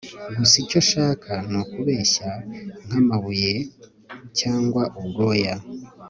Gusa icyo nshaka nukubeshya nkamabuye cyangwa ubwoya